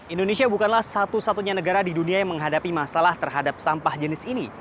indonesia bukanlah satu satunya negara di dunia yang menghadapi masalah terhadap sampah jenis ini